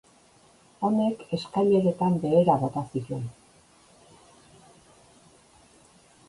Honek eskaileretan behera bota zituen.